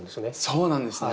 そうなんですね。